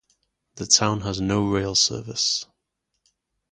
The town has no rail service.